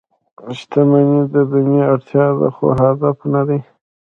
• شتمني د دنیا اړتیا ده، خو هدف نه دی.